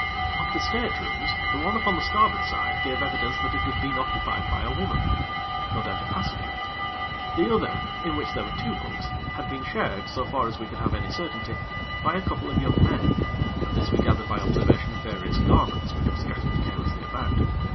Of the staterooms, the one upon the starboard side gave evidence that it had been occupied by a woman no doubt a passenger. The other, in which there were two bunks, had been shared, so far as we could have any certainty, by a couple of young men; and this we gathered by observation of various garments which were scattered carelessly about.